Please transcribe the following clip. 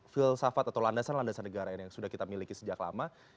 filsafat atau landasan landasan negara yang sudah kita miliki sejak lama